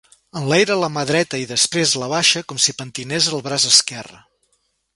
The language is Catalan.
Enlaira la mà dreta i després l'abaixa com si pentinés el braç esquerra.